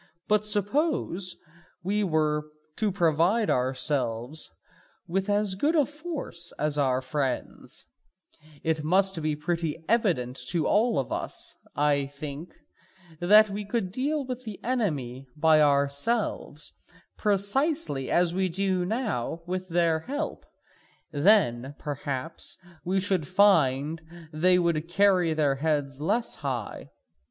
But suppose we were to provide ourselves with as good a force as our friends, it must be pretty evident to all of us, I think, that we could then deal with the enemy by ourselves precisely as we do now with their help, and then perhaps we should find that they would carry their heads less high.